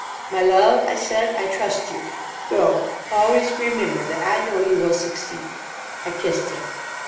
"My love," I said, "I trust you. Go. Always remember that I know you will succeed." I kissed him.